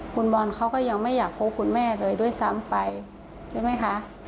คุณบอลเขาก็ยังไม่อยากพบคุณแม่เลยด้วยซ้ำไปใช่ไหมคะ